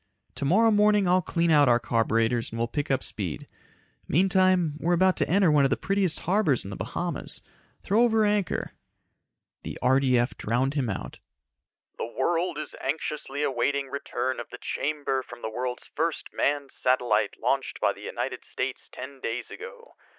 Tomorrow morning I'll clean out our carburetors and we'll pick up speed. Meantime, we're about to enter one of the prettiest harbors in the Bahamas, throw over anchor ..." The RDF drowned him out. "The world is anxiously awaiting return of the chamber from the world's first manned satellite launched by the United States ten days ago.